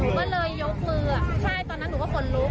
ก็เลยยกมือใช่ตอนนั้นหนูก็ขนลุก